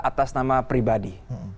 atas nama pribadi